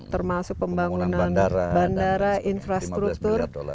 termasuk pembangunan bandara infrastruktur